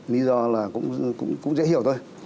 lý do là cũng dễ hiểu thôi